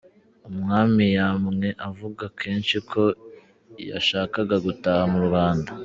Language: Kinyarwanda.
Umwami yamwe avuga kenshi ko yashakaga gutaha mu Rwanda.